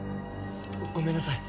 ごめんなさい。